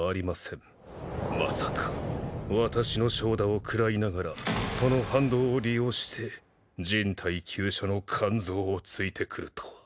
まさか私の掌打を食らいながらその反動を利用して人体急所の肝臓を突いてくるとは。